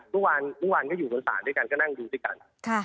เมื่อวานก็อยู่บนศาลด้วยกันก็นั่งดูด้วยกัน